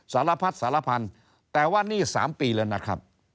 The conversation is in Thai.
สารพัดสารพันธุ์แต่ว่านี่๓ปีแล้วนะครับ